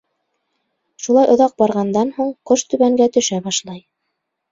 Шулай оҙаҡ барғандан һуң, ҡош түбәнгә төшә башлай.